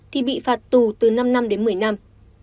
thì bị phạt tù từ năm năm đến một mươi năm